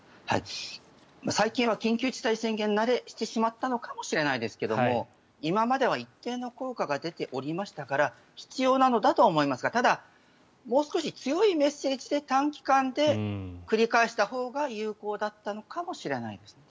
最近は緊急事態宣言慣れしてしまったのかもしれないですが今までは一定の効果が出ておりましたから必要なのだと思いますがただもう少し強いメッセージで短期間で繰り返したほうが有効だったのかもしれないですね。